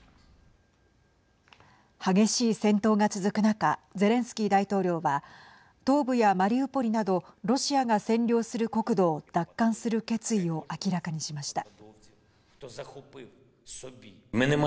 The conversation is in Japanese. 激しい戦闘が続く中ゼレンスキー大統領は東部やマリウポリなどロシアが占領する国土を奪還する決意を明らかにしました。